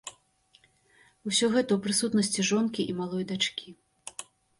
Усё гэта ў прысутнасці жонкі і малой дачкі.